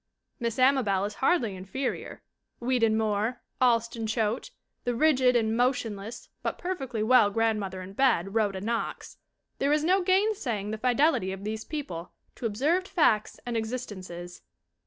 Miss Amabel is hardly inferior. Weedon Moore, Alston Choate, the rigid and motionless but perfectly well grandmother in bed, Rhoda Knox there is no gainsaying the fidelity of these people to observed facts and existences.